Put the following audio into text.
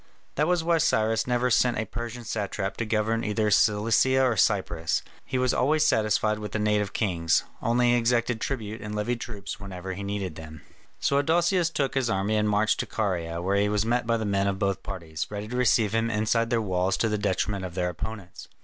That was why Cyrus never sent a Persian satrap to govern either Cilicia or Cyprus; he was always satisfied with the native kings; only he exacted tribute and levied troops whenever he needed them. So Adousius took his army and marched into Caria, where he was met by the men of both parties, ready to receive him inside their walls to the detriment of their opponents.